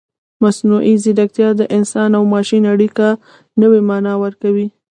مصنوعي ځیرکتیا د انسان او ماشین اړیکه نوې مانا کوي.